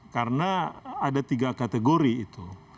karena ada tiga kategori itu